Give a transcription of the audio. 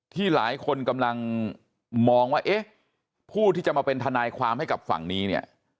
ที่หลายคนกำลังมองว่าเอ๊ะผู้ที่จะมาเป็นทนายความให้กับฝั่งนี้เนี่ย